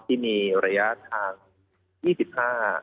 ที่มีระยะทาง๒๕เมตรต่อ๑ถ้ำ